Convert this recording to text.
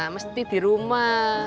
mesti di rumah